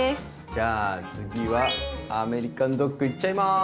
じゃあ次はアメリカンドッグいっちゃいます！